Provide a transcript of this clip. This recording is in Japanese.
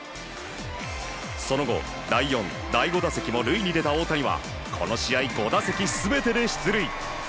その後第４、第５打席も塁に出た大谷はこの試合５打席全てで出塁。